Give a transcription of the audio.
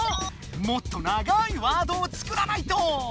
もっと長いワードを作らないと！